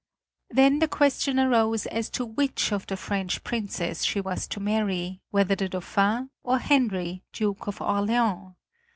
Then the question arose as to which of the French princes she was to marry, whether the Dauphin or Henry, Duke of Orleans.